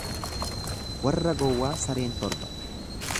Warra gowwaa sareen torba.